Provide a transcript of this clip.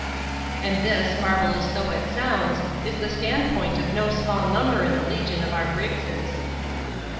(And this, marvellous though it sounds, is the standpoint of no small number in the legion of our Briggses.)